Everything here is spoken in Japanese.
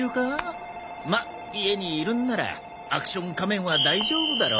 まっ家にいるんなら『アクション仮面』は大丈夫だろ。